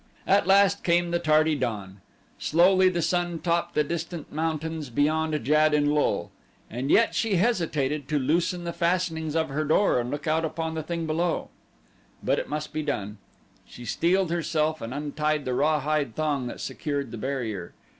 At last came the tardy dawn. Slowly the sun topped the distant mountains beyond Jad in lul. And yet she hesitated to loosen the fastenings of her door and look out upon the thing below. But it must be done. She steeled herself and untied the rawhide thong that secured the barrier.